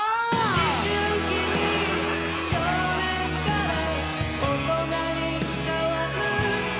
「思春期に少年から大人に変わる」